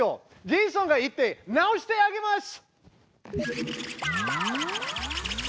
ジェイソンが行って直してあげます！